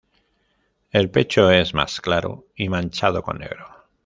El pecho es más claro y manchado con negro.